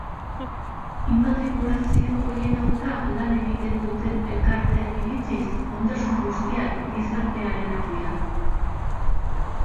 Inmatrikulazio horien aurka lan egiten duten elkarteen iritziz, ondasun guztiak gizartearenak dira.